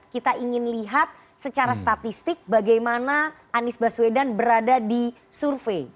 kita ingin lihat secara statistik bagaimana anies baswedan berada di survei